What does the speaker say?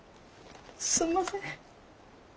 すんません」。